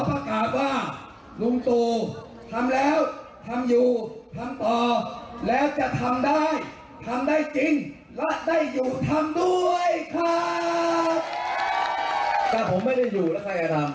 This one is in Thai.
หลับแลไปทุเรียนที่อร่อยที่ชุดในโลก